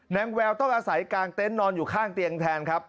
แววต้องอาศัยกลางเต็นต์นอนอยู่ข้างเตียงแทนครับ